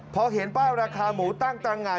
เพราะเห็นเปล่าราคาหมูตั้งต่างงาน